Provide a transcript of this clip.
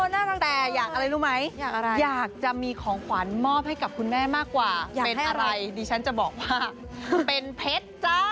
ตั้งแต่อยากอะไรรู้ไหมอยากจะมีของขวัญมอบให้กับคุณแม่มากกว่าเป็นอะไรดิฉันจะบอกว่าเป็นเพชรจ้า